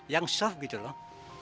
yang soft gitu loh